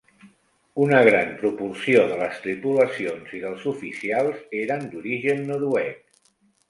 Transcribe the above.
Una gran proporció de les tripulacions i dels oficials eren d'origen noruec.